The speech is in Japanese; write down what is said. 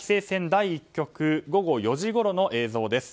第１局午後４時ごろの映像です。